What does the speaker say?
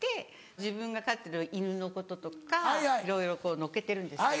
自分が飼ってる犬のこととかいろいろ載っけてるんですけど。